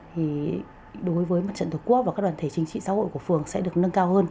thì đối với mặt trận thuộc quốc và các đoàn thể chính trị xã hội của phường sẽ được nâng cao hơn